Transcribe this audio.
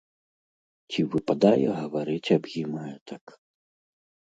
Ці выпадае гаварыць аб ім гэтак?